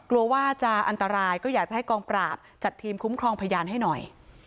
กลัวว่าจะอันตรายก็อยากจะให้กองปราบจัดทีมคุ้มครองพยานให้หน่อย